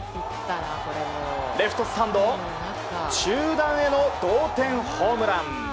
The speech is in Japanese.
レフトスタンド中断への同点ホームラン！